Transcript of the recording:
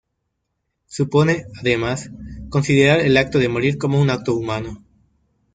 Supone, además, considerar el acto de morir como un "acto humano".